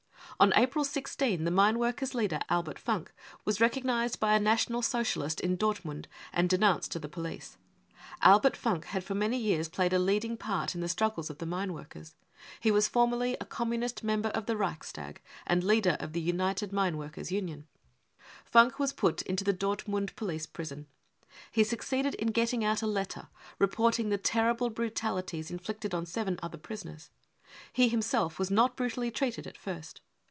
On April 16th the mineworkers 5 leader, Albert Funk, was recognised by a National Socialist in Dortmund and denounced to the police. Albert Funk had 328 BROWN BOOK OF THE HITLER TERROR for many years played a leading part in the straggles of • the mineworkers ; he was formerly a Communist member of the Reichstag and leader of the United Mineworkers' Union. Funk was put into the Dortmund police prison. He suc ceeded in getting out a letter reporting the terrible brutali ties inflicted on seven other prisoners ; he himself was not brutally treated at first.